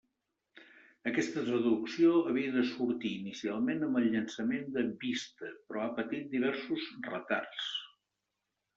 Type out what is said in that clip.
Aquesta traducció havia de sortir inicialment amb el llançament de Vista però ha patit diversos retards.